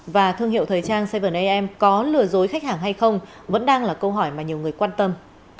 và thương hiệu thời trang cyvernam có lừa dối khách hàng hay không vẫn đang là câu hỏi mà nhiều người quan tâm